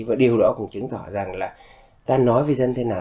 và điều đó cũng chứng tỏ rằng là ta nói với dân thế nào